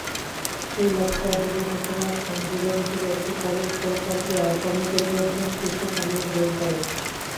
সেই লক্ষ্য অর্জনে ঘোষণার সংযোজন হিসেবে একটি কর্মপরিকল্পনা শীর্ষ সম্মেলন গ্রহণ করে।